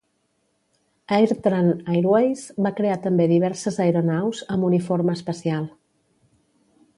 AirTran Airways va crear també diverses aeronaus amb uniforme especial.